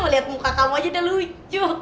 lihat muka kamu aja udah lucu